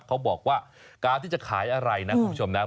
เขาบอกว่าการที่จะขายอะไรนะคุณผู้ชมนะ